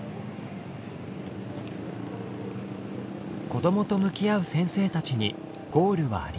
子どもと向き合う先生たちにゴールはありません。